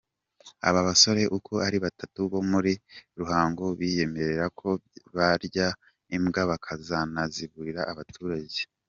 Aba basore uko ari batatu bo muri Ruhango biyemereye ko barya imbwa bakanazigaburira abaturage.